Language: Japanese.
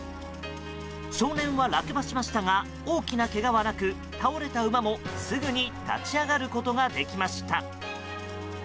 少年は落馬しましたが大きなけがはなく倒れた馬も、すぐに立ち上がることができました。